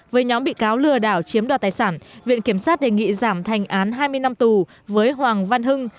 với nhóm bị cáo lừa đảo chiếm đoạt tài sản viện kiểm sát đề nghị giảm thành án hai mươi năm tù với hoàng văn hưng